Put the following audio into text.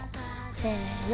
せの。